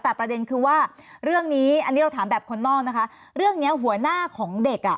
แต่ประเด็นคือว่าเรื่องนี้อันนี้ถามแบบคนนอกนะคะ